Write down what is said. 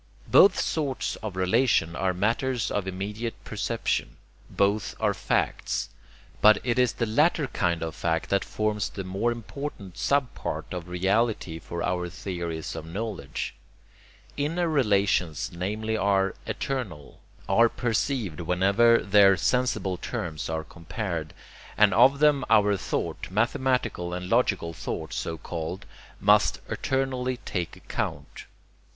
Both sorts of relation are matters of immediate perception. Both are 'facts.' But it is the latter kind of fact that forms the more important sub part of reality for our theories of knowledge. Inner relations namely are 'eternal,' are perceived whenever their sensible terms are compared; and of them our thought mathematical and logical thought, so called must eternally take account.